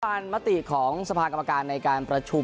ข้าร่วมการมติของสาธารณ์กรรมการในการประชุม